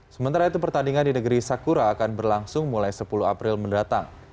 sementara itu pertandingan di negeri sakura akan berlangsung mulai sepuluh april mendatang